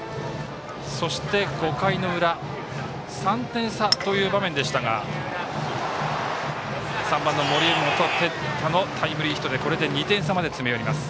そして、５回の裏３点差という場面でしたが３番、森本哲太のタイムリーヒットでこれで２点差まで詰め寄ります。